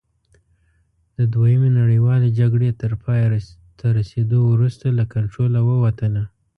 د دویمې نړیوالې جګړې تر پایته رسېدو وروسته له کنټروله ووتله.